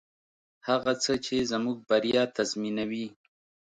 هغه څه چې زموږ بریا تضمینوي.